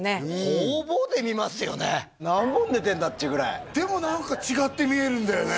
方々で見ますよね何本出てるんだっていうぐらいでも何か違って見えるんだよね